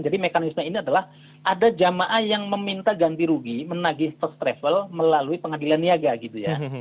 jadi mekanisme ini adalah ada jamaah yang meminta ganti rugi menagih first travel melalui pengadilan niaga gitu ya